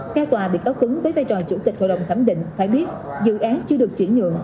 theo tòa bị cáo tuấn với vai trò chủ tịch hội đồng thẩm định phải biết dự án chưa được chuyển nhượng